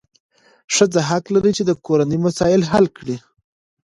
ښځه حق لري چې د کورنۍ مسایل حل کړي.